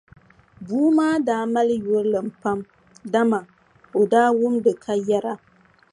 Bua maa daa mali yurilim pam dama o daa wumdi ka yɛra.